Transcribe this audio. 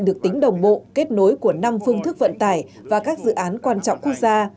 được tính đồng bộ kết nối của năm phương thức vận tải và các dự án quan trọng quốc gia